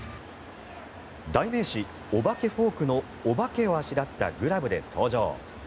代名詞お化けフォークのお化けをあしらったグラブで登場。